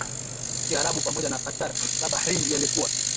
Kiarabu pamoja na Qatar na Bahrain yalikuwa